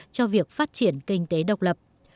cho việc phát triển kinh tế độc lập